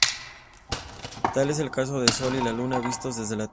Tal es el caso del Sol y la Luna vistos desde la Tierra.